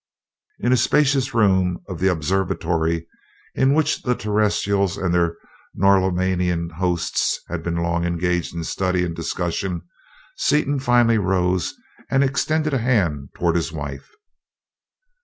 In a spacious room of the observatory, in which the Terrestrials and their Norlaminian hosts had been long engaged in study and discussion, Seaton finally rose and extended a hand toward his wife.